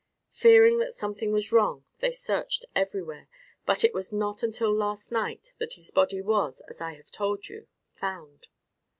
Fearing that something was wrong they searched everywhere, but it was not until last night that his body was, as I have told you, found.